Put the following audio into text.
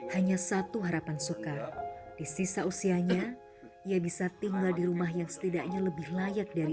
hanya satu harapan suka di sisa usianya ia bisa tinggal di rumah yang setidaknya lebih layak dari